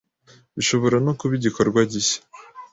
bishobora no kuba igikorwa gishya